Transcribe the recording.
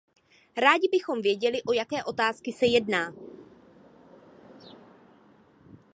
Rádi bychom věděli, o jaké otázky se jedná.